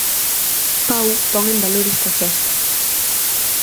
Pau pon en valor esta xesta.